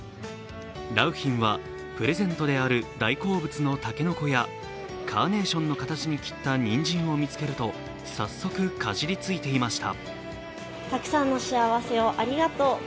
良浜はプレゼントである大好物の竹の子やカーネーションの形に切ったニンジンを見つけると早速、かじりついていました。